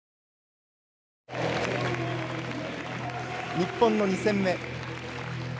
日本の２戦目。